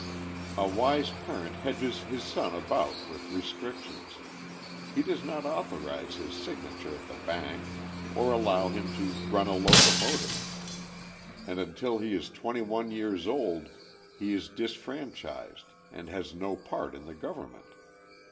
A wise parent hedges his son about with restrictions; he does not authorise his signature at the bank or allow him to run a locomotive; and until he is twenty one years old he is disfranchised and has no part in the government.